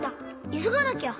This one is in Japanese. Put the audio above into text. いそがなきゃ。